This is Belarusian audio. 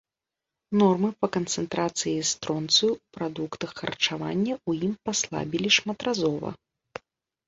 Нормы па канцэнтрацыі стронцыю ў прадуктах харчавання ў ім паслабілі шматразова.